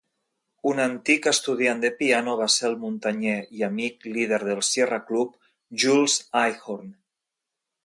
Un antic estudiant de piano va ser el muntanyer i amic líder del Sierra Club, Jules Eichorn.